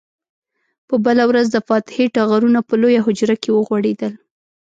په بله ورځ د فاتحې ټغرونه په لویه حجره کې وغوړېدل.